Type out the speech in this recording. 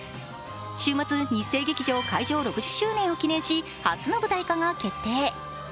週末、日生劇場開場６０周年を記念し初の舞台化が決定。